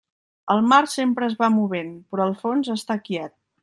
El mar sempre es va movent, però el fons està quiet.